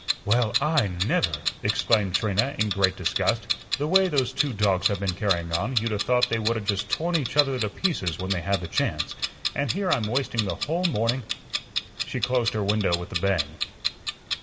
"Well, I NEVER!" exclaimed Trina in great disgust. "The way those two dogs have been carrying on you'd 'a' thought they would 'a' just torn each other to pieces when they had the chance, and here I'm wasting the whole morning " she closed her window with a bang.